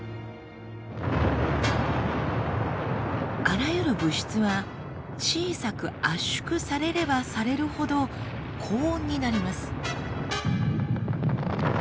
あらゆる物質は小さく圧縮されればされるほど高温になります。